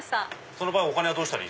その場合お金はどうしたら？